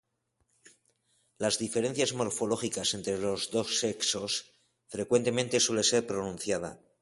Las diferencias morfológicas entre los dos sexos frecuentemente suele ser pronunciada.